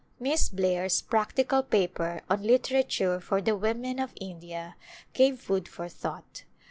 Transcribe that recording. Miss Blair's practical paper on " Literature for the Women of India *' gave food for thought.